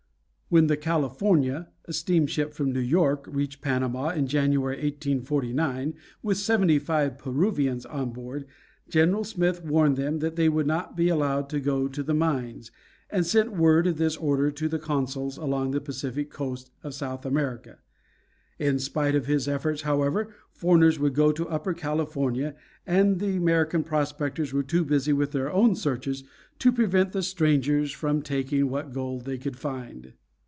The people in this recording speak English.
When the California, a steamship from New York, reached Panama in January, 1849, with seventy five Peruvians on board, General Smith warned them that they would not be allowed to go to the mines, and sent word of this order to consuls along the Pacific coast of South America. In spite of his efforts, however, foreigners would go to Upper California, and the American prospectors were too busy with their own searches to prevent the strangers from taking what gold they could find.